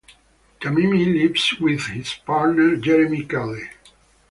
Tamimi lives with his partner Jeremy Kelly.